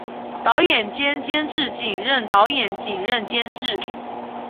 导演兼监制仅任导演仅任监制